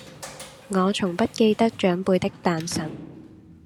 我從不記得長輩的誕辰